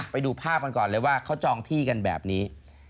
ไปดูภาพกันก่อนเลยว่าเขาจองที่กันแบบนี้